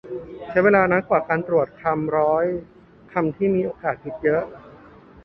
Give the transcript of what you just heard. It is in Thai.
ใช้เวลาน้อยกว่าการตรวจคำร้อยคำที่มีโอกาสผิดเยอะ